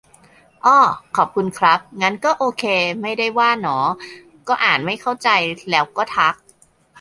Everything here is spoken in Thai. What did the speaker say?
อ้อ ขอบคุณครับ งั้นก็โอเค ไม่ได้ว่าหนอ ก็อ่านไม่เข้าใจแล้วก็ทัก